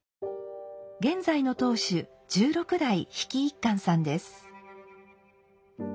現在の当主十六代飛来一閑さんです。